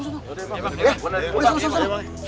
hai temen temen entar by telepon ada apa ya eh lu